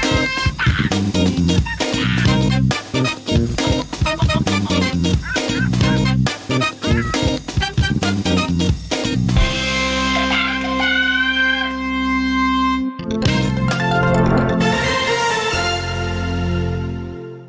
โปรดติดตามตอนต่อไป